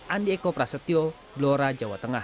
andi eko prasetyo blora jawa tengah